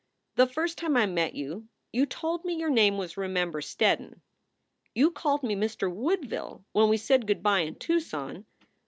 The first time I met you you told me your name was Remember Steddon. You called me Mr. Woodville when we said good by in Tuc son.